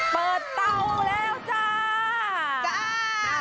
เปิดเตาแล้วจ้าจ้า